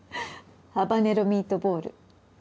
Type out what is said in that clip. ハバネロミートボール